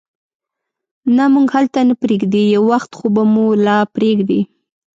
نه، موږ هلته نه پرېږدي، یو وخت خو به مو لا پرېږدي.